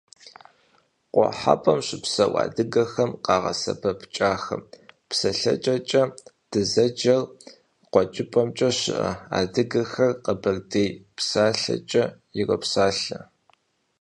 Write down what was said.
Къухьэпӏэм щыпсэу адыгэхэм къагъэсэбэп кӏахэ псэлъэкӏэкӏэ дызэджэр, къуэкӏыпӏэмкӏэ щыӏэ адыгэхэр къэбэрдей псэлъэкӏэм иропсалъэ.